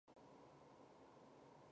事件告一段落。